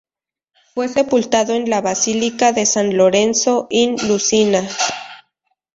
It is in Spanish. Fue sepultado en la Basílica de San Lorenzo in Lucina.